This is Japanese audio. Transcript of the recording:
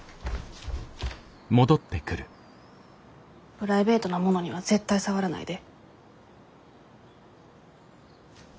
プライベートなものには絶対触らないで。